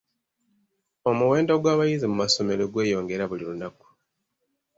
Omuwendo gw'abayizi mu masomero gweyongera buli lunaku.